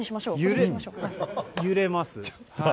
揺れます。